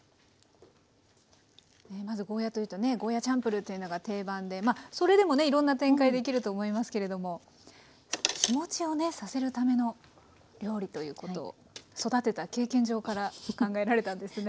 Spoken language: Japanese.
まずゴーヤーというとねゴーヤ−チャンプルーっていうのが定番でそれでもねいろんな展開出来ると思いますけれども日持ちをねさせるための料理ということを育てた経験上から考えられたんですね。